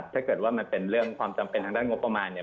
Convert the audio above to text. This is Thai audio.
ถ้าเกิดว่ามันเป็นเรื่องความจำเป็นทางด้านงบประมาณเนี่ย